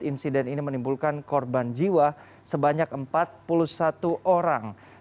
insiden ini menimbulkan korban jiwa sebanyak empat puluh satu orang